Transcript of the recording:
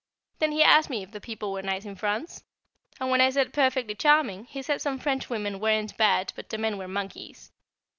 Then he asked me if the people were nice in France? and when I said perfectly charming, he said some Frenchwomen weren't bad but the men were monkeys.